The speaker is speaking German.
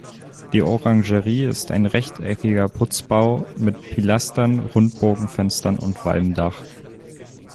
Die Orangerie ist ein rechteckiger Putzbau mit Pilastern, Rundbogenfenstern und Walmdach.